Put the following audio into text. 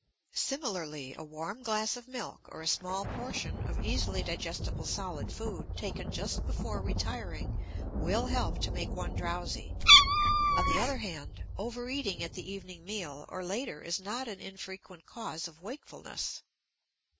Similarly, a warm glass of milk or a small portion of easily digestible solid food taken just before retiring will help to make one drowsy; on the other hand, over eating at the evening meal or later is not an infrequent cause of wakefulness.